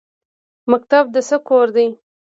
مکتب د څه کور دی؟